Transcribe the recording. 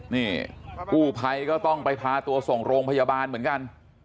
นี่กู้ภัยก็ต้องไปพาตัวส่งโรงพยาบาลเหมือนกัน